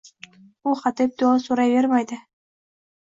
U hadeb duo so‘rayvermaydi.